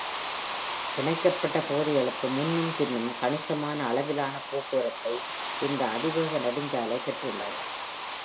இணைக்கப்பட்ட பகுதிகளுக்கு, முன்னும் பின்னும், கணிசமான அளவிலான போக்குவரத்தை, இந்த அதிவேக நெடுஞ்சாலை பெற்றுள்ளது.